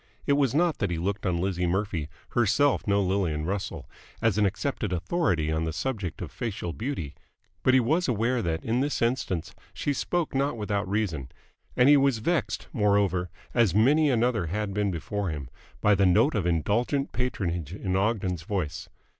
It was not that he looked on Lizzie Murphy, herself no Lillian Russell, as an accepted authority on the subject of facial beauty; but he was aware that in this instance she spoke not without reason, and he was vexed, moreover, as many another had been before him, by the note of indulgent patronage in Ogden's voice.